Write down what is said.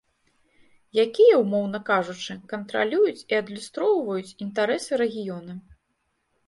Якія, умоўна кажучы, кантралююць і адлюстроўваюць інтарэсы рэгіёна.